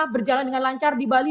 berjalan dengan lancar di bali